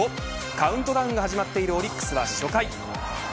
カウントダウンが始まっているオリックスは初回。